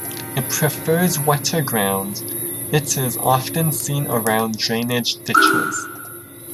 It prefers wetter ground; it is often seen around drainage ditches.